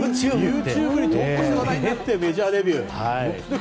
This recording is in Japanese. ＹｏｕＴｕｂｅに投稿して話題になってメジャーデビュー。